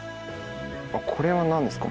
これは何ですか？